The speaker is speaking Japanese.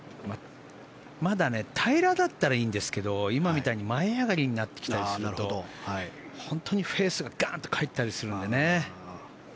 まだ平らだったらいいんですけど今みたいに前上がりになってきたりすると本当にフェースがガーンと返ったりするんでね。